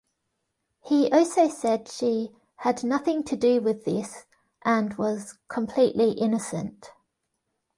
He also said she "had nothing to do with this" and was "completely innocent.